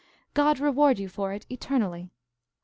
God reward you for it eternally!